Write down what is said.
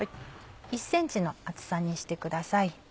１ｃｍの厚さにしてください。